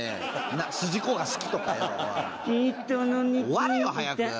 終われよ早く！